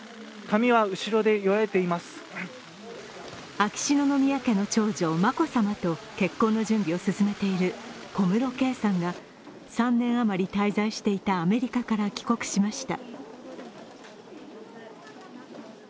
秋篠宮家の長女・眞子さまと結婚の準備を進めている小室圭さんが３年余り滞在していたアメリカから帰国しました。